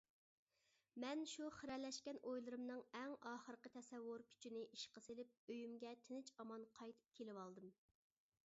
مەن شۇ خىرەلەشكەن ئويلىرىمنىڭ ئەڭ ئاخىرقى تەسەۋۋۇر كۈچىنى ئىشقا سېلىپ ئۆيۈمگە تىنچ ئامان قايتىپ كېلىۋالدىم.